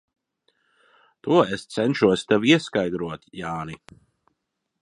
To es cenšos tev ieskaidrot, Jāni.